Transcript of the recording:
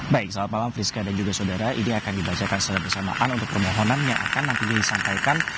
baik selamat malam friska dan juga saudara ini akan dibacakan secara bersamaan untuk permohonan yang akan nantinya disampaikan